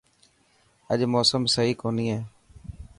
اڄ موسم سهي ڪوني هي.